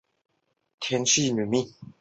天钿女命。